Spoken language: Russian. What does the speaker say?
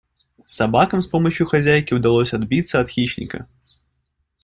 Собакам с помощью хозяйки удалось отбиться от хищника.